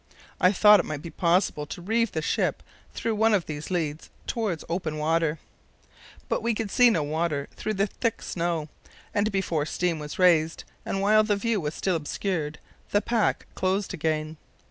I thought it might be possible to reeve the ship through one of these leads towards open water, but we could see no water through the thick snow; and before steam was raised, and while the view was still obscured, the pack closed again.